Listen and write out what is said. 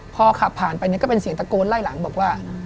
พอขับผ่านไปเนี่ยก็เป็นเสียงตะโกนไล่หลังบอกว่า